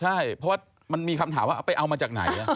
ใช่เพราะว่ามันมีคำถามว่าเอาไปเอามาจากไหน